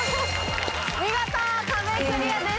見事壁クリアです。